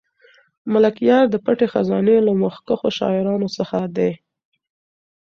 ملکیار د پټې خزانې له مخکښو شاعرانو څخه دی.